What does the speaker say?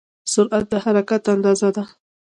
سرعت د حرکت اندازه ده.